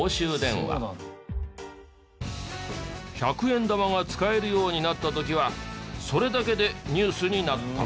１００円玉が使えるようになった時はそれだけでニュースになった。